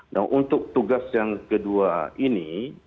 nah untuk tugas yang kedua ini